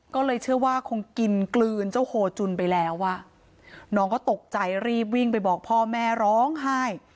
ก็เลยเชื่อว่าคงกินกลืนเจ้าโฮจุนไปแล้วอ่ะน้องก็ตกใจรีบวิ่งไปบอกพ่อแม่ร้องไห้